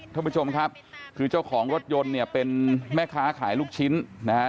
ท่านผู้ชมครับคือเจ้าของรถยนต์เนี่ยเป็นแม่ค้าขายลูกชิ้นนะฮะ